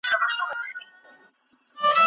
د تیارو جنګ ته څراغونه